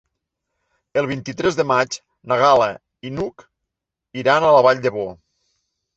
El vint-i-tres de maig na Gal·la i n'Hug iran a la Vall d'Ebo.